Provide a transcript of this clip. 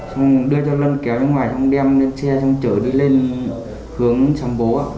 xong đưa cho lân kéo ra ngoài xong đem lên xe xong chở đi lên hướng sám bố ạ